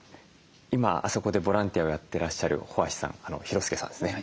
今あそこでボランティアをやってらっしゃる保芦さん宏亮さんですね。